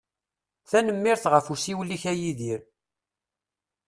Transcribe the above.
Tanemmirt ɣef usiwel-ik a Yidir.